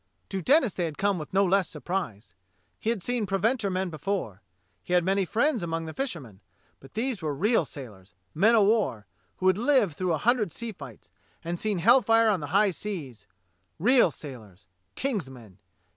To Denis they had come with no less surprise. He had seen preventer men before; 24 DOCTOR SYN he had many friends among the fishermen, but these were real sailors, men o' war, who had lived through a hundred sea fights, and seen hellfire on the high seas — real sailors, King's men.